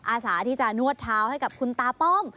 อาสาที่จะนวดเท้าให้กับคุณตาป้อม